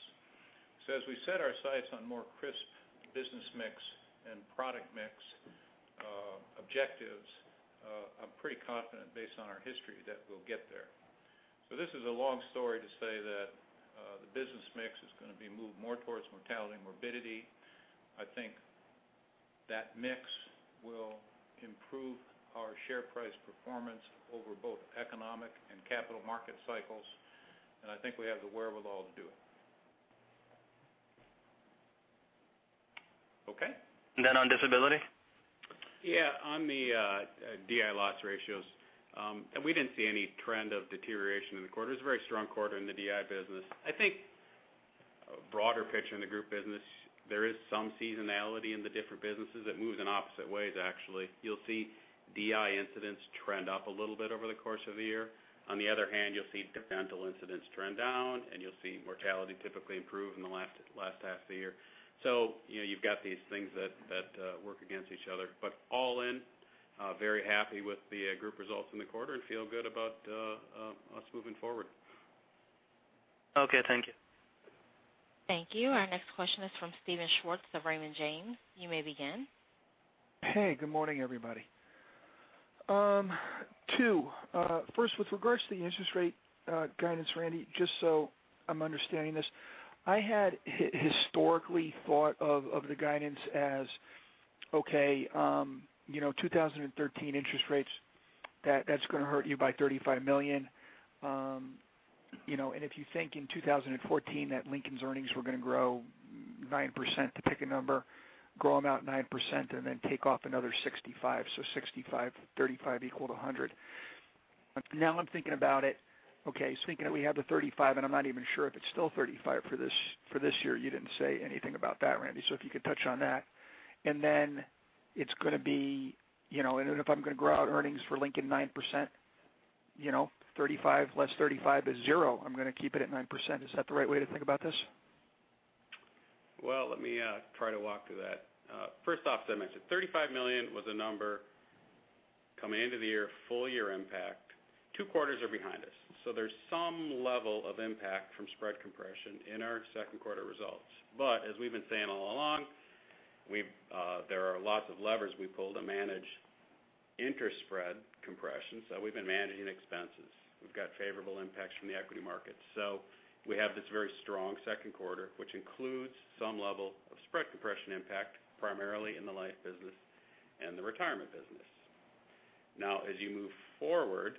As we set our sights on a more crisp business mix and product mix objectives, I'm pretty confident based on our history that we'll get there. This is a long story to say that the business mix is going to be moved more towards mortality and morbidity. I think that mix will improve our share price performance over both economic and capital market cycles, and I think we have the wherewithal to do it. Okay. on disability? Yeah. On the DI loss ratios, we didn't see any trend of deterioration in the quarter. It was a very strong quarter in the DI business. I think broader picture in the group business, there is some seasonality in the different businesses that moves in opposite ways, actually. You'll see DI incidents trend up a little bit over the course of the year. On the other hand, you'll see dental incidents trend down, and you'll see mortality typically improve in the last half of the year. You've got these things that work against each other. All in, very happy with the group results in the quarter and feel good about us moving forward. Okay. Thank you. Thank you. Our next question is from Steven Schwartz of Raymond James. You may begin. Good morning, everybody. First, with regards to the interest rate guidance, Randy, just so I'm understanding this, I had historically thought of the guidance as okay, 2013 interest rates, that's going to hurt you by $35 million. If you think in 2014 that Lincoln's earnings were going to grow 9%, to pick a number, grow them out 9% and then take off another 65. 65, 35 equal to 100. Now I'm thinking about it. We have the 35, and I'm not even sure if it's still 35 for this year. You didn't say anything about that, Randy. If you could touch on that. If I'm going to grow out earnings for Lincoln 9%, 35 less 35 is zero, I'm going to keep it at 9%. Is that the right way to think about this? Let me try to walk through that. First off, as I mentioned, $35 million was a number coming into the year, full year impact. Two quarters are behind us. There's some level of impact from spread compression in our second quarter results. As we've been saying all along, there are lots of levers we pull to manage interest spread compression. We've been managing expenses. We've got favorable impacts from the equity market. We have this very strong second quarter, which includes some level of spread compression impact, primarily in the life business and the retirement business. As you move forward,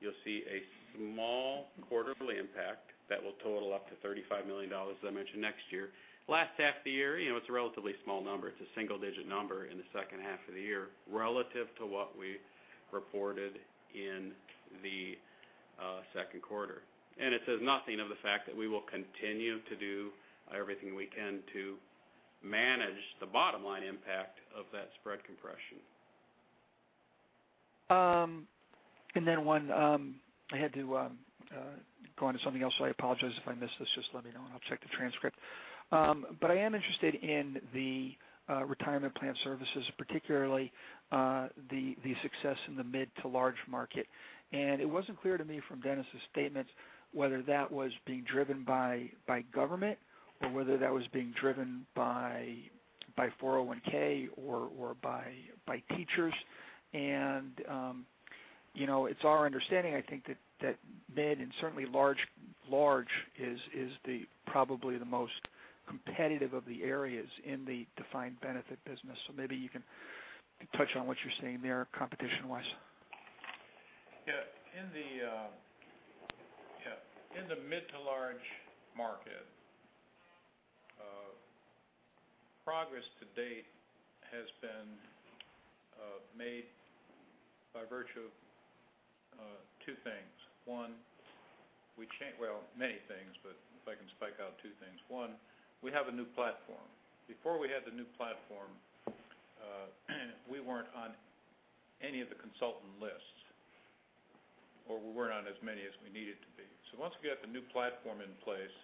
you'll see a small quarterly impact that will total up to $35 million, as I mentioned, next year. Last half of the year, it's a relatively small number. It's a single-digit number in the second half of the year relative to what we reported in the second quarter. It says nothing of the fact that we will continue to do everything we can to manage the bottom-line impact of that spread compression. I had to go on to something else, so I apologize if I missed this. Just let me know, and I'll check the transcript. I am interested in the Retirement Plan Services, particularly the success in the mid to large market. It wasn't clear to me from Dennis's statement whether that was being driven by government or whether that was being driven by 401(k) or by teachers. It's our understanding, I think, that mid and certainly large is probably the most competitive of the areas in the defined benefit business. Maybe you can touch on what you're seeing there, competition-wise. Yeah. In the mid to large market, progress to date has been made by virtue of two things. One, well, many things, but if I can spike out two things. One, we have a new platform. Before we had the new platform, we weren't on any of the consultant lists, or we weren't on as many as we needed to be. Once we got the new platform in place,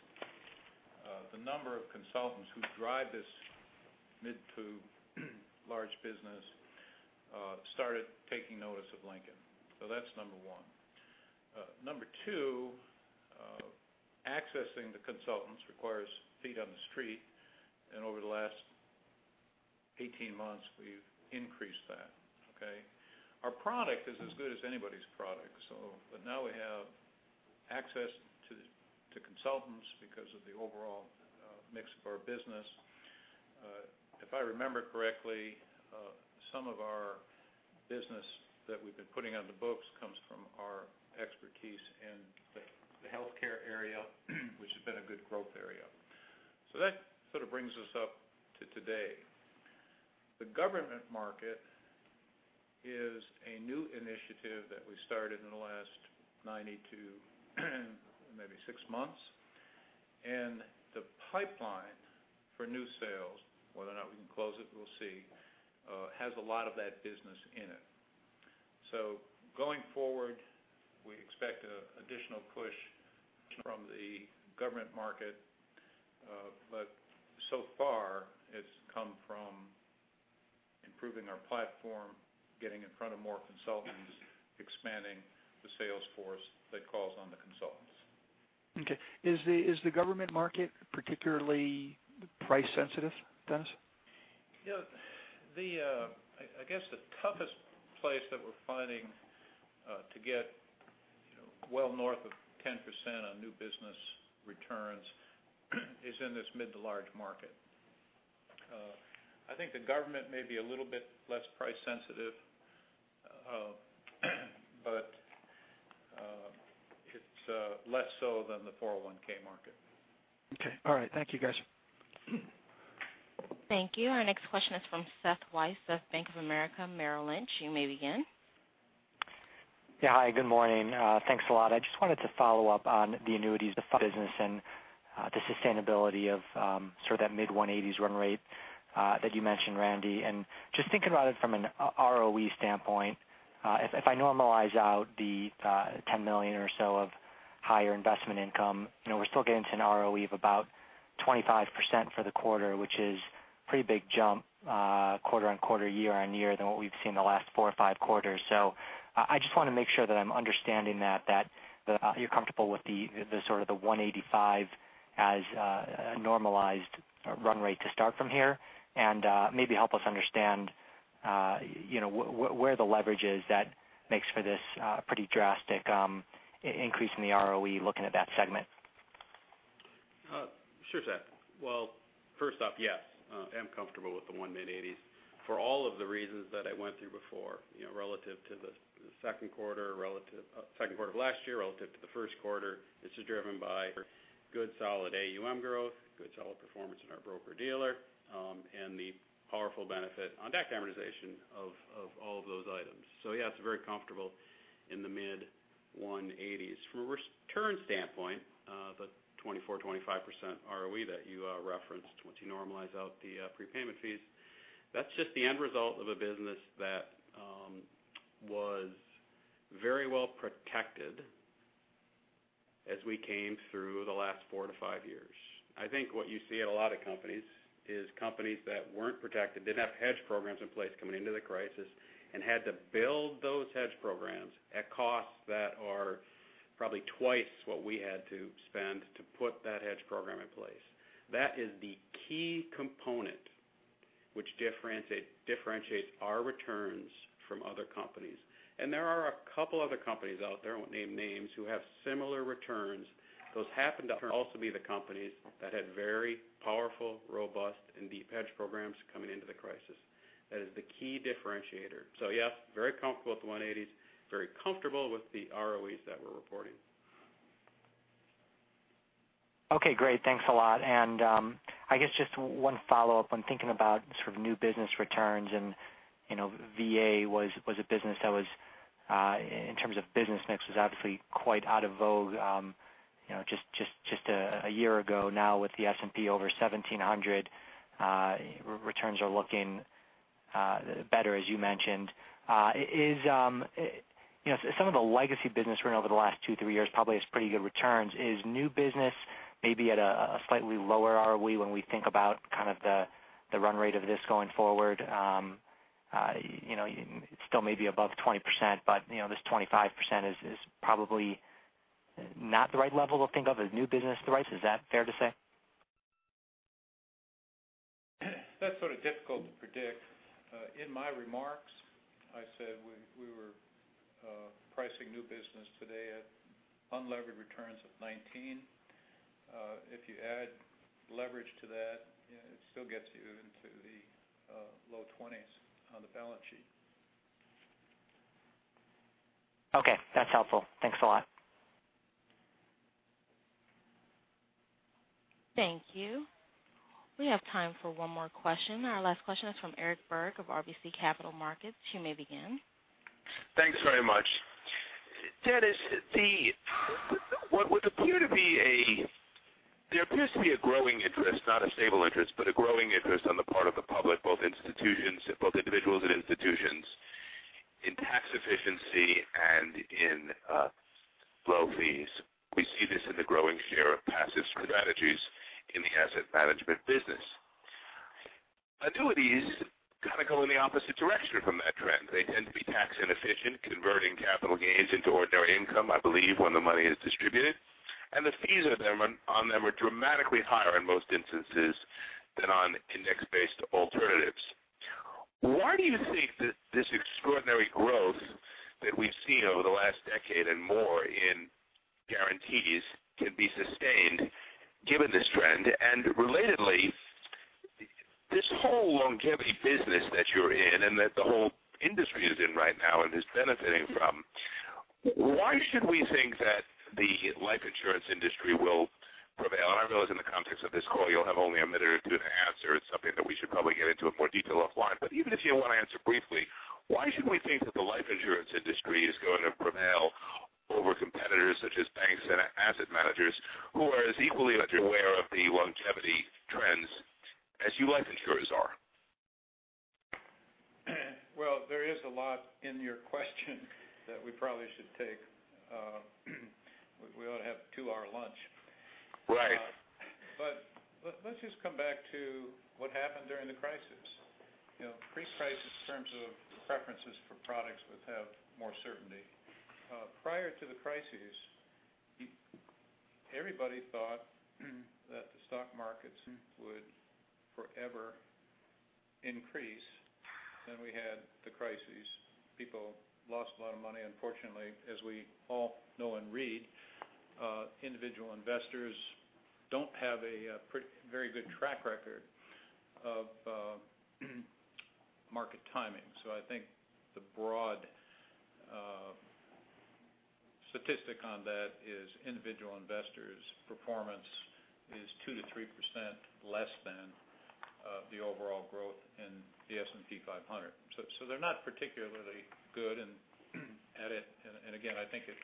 the number of consultants who drive this mid to large business started taking notice of Lincoln. That's number one. Number two, accessing the consultants requires feet on the street, and over the last 18 months, we've increased that, okay? Our product is as good as anybody's product. Now we have access to consultants because of the overall mix of our business. If I remember correctly some of our business that we've been putting on the books comes from our expertise in the healthcare area, which has been a good growth area. That sort of brings us up to today. The government market is a new initiative that we started in the last 90 to maybe six months. The pipeline for new sales, whether or not we can close it, we'll see, has a lot of that business in it. Going forward, we expect additional push from the government market. So far, it's come from improving our platform, getting in front of more consultants, expanding the sales force that calls on the consultants. Okay. Is the government market particularly price sensitive, Dennis? Yeah. I guess the toughest place that we're finding to get well north of 10% on new business returns is in this mid to large market. I think the government may be a little bit less price sensitive, but it's less so than the 401 market. Okay. All right. Thank you, guys. Thank you. Our next question is from Seth Weiss of Bank of America Merrill Lynch. You may begin. Yeah. Hi, good morning. Thanks a lot. I just wanted to follow up on the annuities business and the sustainability of sort of that mid-180s run rate that you mentioned, Randy. Just thinking about it from an ROE standpoint, if I normalize out the $10 million or so of higher investment income, we're still getting to an ROE of about 25% for the quarter, which is a pretty big jump quarter-over-quarter, year-over-year than what we've seen the last four or five quarters. I just want to make sure that I'm understanding that you're comfortable with the sort of the 185 as a normalized run rate to start from here. Maybe help us understand where the leverage is that makes for this pretty drastic increase in the ROE looking at that segment. Sure, Seth. Well, first off, yes, I'm comfortable with the mid-180s for all of the reasons that I went through before. Relative to the second quarter of last year, relative to the first quarter, this is driven by good solid AUM growth, good solid performance in our broker-dealer, and the powerful benefit on DAC amortization of all of those items. Yeah, it's very comfortable in the mid-180s. From a return standpoint, the 24%, 25% ROE that you referenced, once you normalize out the prepayment fees, that's just the end result of a business that was very well protected as we came through the last four to five years. I think what you see at a lot of companies is companies that weren't protected, didn't have hedge programs in place coming into the crisis, and had to build those hedge programs at costs that are Probably twice what we had to spend to put that hedge program in place. That is the key component which differentiates our returns from other companies. There are a couple other companies out there, I won't name names, who have similar returns. Those happen to also be the companies that had very powerful, robust, and deep hedge programs coming into the crisis. That is the key differentiator. Yes, very comfortable with the 180s, very comfortable with the ROEs that we're reporting. Okay, great. Thanks a lot. I guess just one follow-up on thinking about sort of new business returns and VA was a business that was, in terms of business mix, was obviously quite out of vogue just a year ago. Now with the S&P over 1,700, returns are looking better, as you mentioned. Some of the legacy business run over the last two, three years probably has pretty good returns. Is new business maybe at a slightly lower ROE when we think about the run rate of this going forward? It still may be above 20%, but this 25% is probably not the right level to think of as new business price. Is that fair to say? That's sort of difficult to predict. In my remarks, I said we were pricing new business today at unlevered returns of 19. If you add leverage to that, it still gets you into the low 20s on the balance sheet. Okay, that's helpful. Thanks a lot. Thank you. We have time for one more question. Our last question is from Eric Berg of RBC Capital Markets. You may begin. Thanks very much. Dennis, there appears to be a growing interest, not a stable interest, but a growing interest on the part of the public, both individuals and institutions, in tax efficiency and in low fees. We see this in the growing share of passive strategies in the asset management business. Annuities kind of go in the opposite direction from that trend. They tend to be tax inefficient, converting capital gains into ordinary income, I believe, when the money is distributed, and the fees on them are dramatically higher in most instances than on index-based alternatives. Why do you think that this extraordinary growth that we've seen over the last decade and more in guarantees can be sustained given this trend? Relatedly, this whole longevity business that you're in and that the whole industry is in right now and is benefiting from, why should we think that the life insurance industry will prevail? I realize in the context of this call, you'll have only a minute or two to answer. It's something that we should probably get into in more detail offline. Even if you want to answer briefly, why should we think that the life insurance industry is going to prevail over competitors such as banks and asset managers, who are as equally aware of the longevity trends as you life insurers are? Well, there is a lot in your question that we probably should take. We ought to have a two-hour lunch. Right. Let's just come back to what happened during the crisis. Pre-crisis, in terms of preferences for products that have more certainty. Prior to the crisis, everybody thought that the stock markets would forever increase. We had the crisis. People lost a lot of money, unfortunately, as we all know and read. Individual investors don't have a very good track record of market timing. I think the broad statistic on that is individual investors' performance is 2%-3% less than the overall growth in the S&P 500. They're not particularly good at it. Again, I think it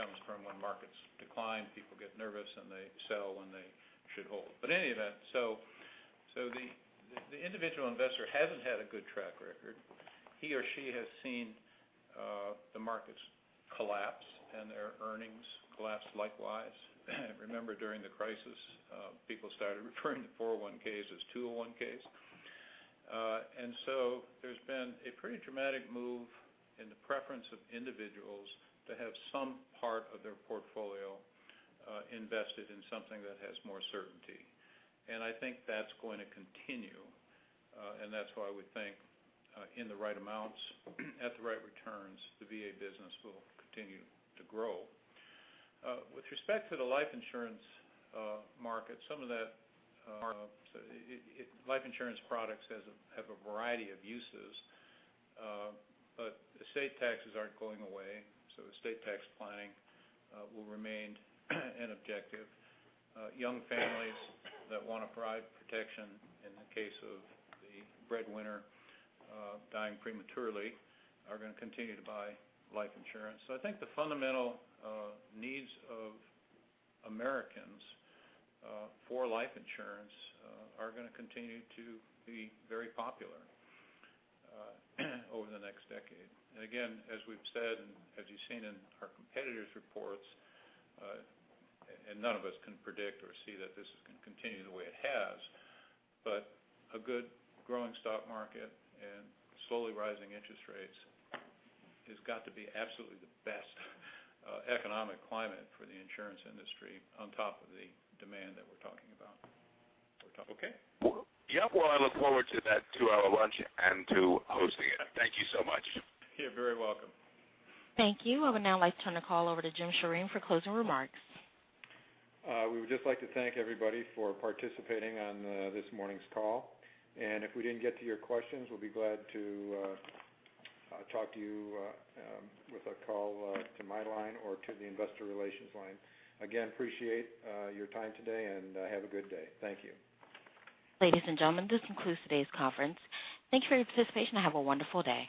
comes from when markets decline, people get nervous, and they sell when they should hold. In any event, the individual investor hasn't had a good track record. He or she has seen the markets collapse and their earnings collapse likewise. Remember during the crisis, people started referring to 401(k)s as 201s. There's been a pretty dramatic move in the preference of individuals to have some part of their portfolio invested in something that has more certainty. I think that's going to continue, and that's why we think in the right amounts, at the right returns, the VA business will continue to grow. With respect to the life insurance market, life insurance products have a variety of uses. Estate taxes aren't going away, so estate tax planning will remain an objective. Young families that want to provide protection in the case of the breadwinner dying prematurely are going to continue to buy life insurance. I think the fundamental needs of Americans for life insurance are going to continue to be very popular over the next decade. Again, as we've said, as you've seen in our competitors' reports, none of us can predict or see that this is going to continue the way it has, a good growing stock market and slowly rising interest rates has got to be absolutely the best economic climate for the insurance industry on top of the demand that we're talking about. Well, I look forward to that two-hour lunch and to hosting it. Thank you so much. You're very welcome. Thank you. I would now like to turn the call over to Jim Shirine for closing remarks. We would just like to thank everybody for participating on this morning's call. If we didn't get to your questions, we'll be glad to talk to you with a call to my line or to the investor relations line. Again, appreciate your time today and have a good day. Thank you. Ladies and gentlemen, this concludes today's conference. Thank you for your participation and have a wonderful day.